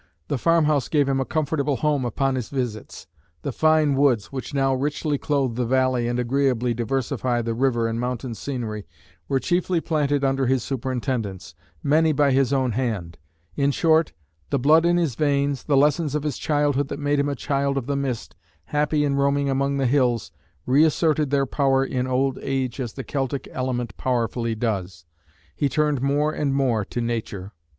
The farmhouse gave him a comfortable home upon his visits. The fine woods which now richly clothe the valley and agreeably diversify the river and mountain scenery were chiefly planted under his superintendence, many by his own hand. In short, the blood in his veins, the lessons of his childhood that made him a "child of the mist," happy in roaming among the hills, reasserted their power in old age as the Celtic element powerfully does. He turned more and more to nature.